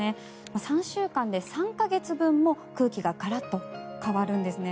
３週間で３か月分も空気がガラッと変わるんですね。